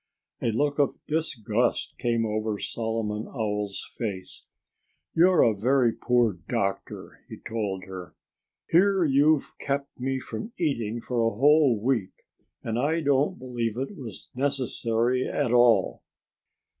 A look of disgust came over Solomon Owl's face. "You're a very poor doctor," he told her. "Here you've kept me from eating for a whole week—and I don't believe it was necessary at all!"